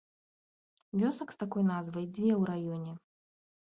Вёсак з такой назвай дзве ў раёне.